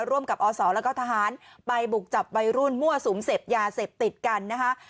ร่วมกับอศแล้วก็ทหารไปบุกจับวัยรุ่นมั่วสุมเสพยาเสพติดกันนะคะ